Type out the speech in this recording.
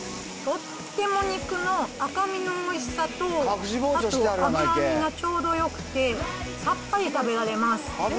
とっても肉の赤みのおいしさと、あと脂身がちょうどよくて、さっぱり食べられます。